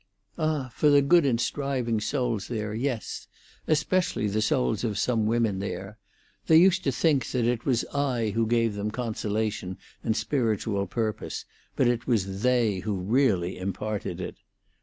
"Ah! for the good and striving souls there, yes; especially the souls of some women there. They used to think that it was I who gave them consolation and spiritual purpose, but it was they who really imparted it.